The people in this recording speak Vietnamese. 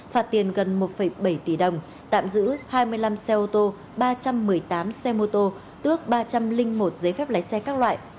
phạt tiền gần một bảy tỷ đồng tạm giữ hai mươi năm xe ô tô ba trăm một mươi tám xe mô tô tước ba trăm linh một giấy phép lái xe các loại